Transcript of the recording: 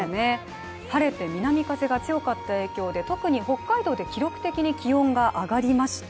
晴れて南風が強かった影響で特に北海道で記録的に気温が上がりました。